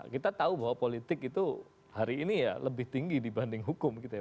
kita tahu bahwa politik itu hari ini ya lebih tinggi dibanding hukum gitu ya